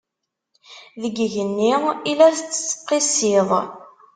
Deg igenni i la tettqissiḍ.